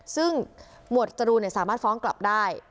ซึ่งหมวดจรูนสามารถฟ้องกลับได้